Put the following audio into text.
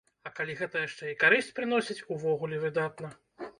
А калі гэта яшчэ і карысць прыносіць, увогуле выдатна.